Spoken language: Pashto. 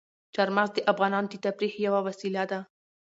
چار مغز د افغانانو د تفریح یوه وسیله ده.